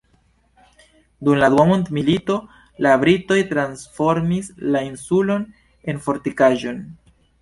Dum la Dua Mondmilito la britoj transformis la insulon en fortikaĵon.